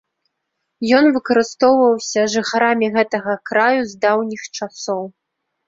Ён выкарыстоўваўся жыхарамі гэтага краю з даўніх часоў.